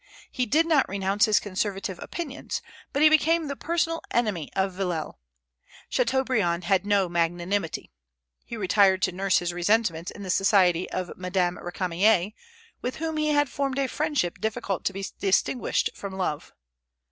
He did not renounce his conservative opinions; but he became the personal enemy of Villèle. Chateaubriand had no magnanimity. He retired to nurse his resentments in the society of Madame Récamier, with whom he had formed a friendship difficult to be distinguished from love.